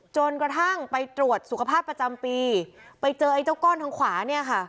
จนกระทั่งไปตรวจสุขภาพประจำปีไปเจอไอ้เจ้าก้อนทางขวาเนี่ยค่ะ